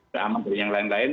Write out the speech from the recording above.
keamanan dari yang lain lain